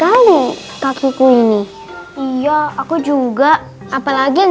nyanyi kakiku ini iya aku juga apalagi yang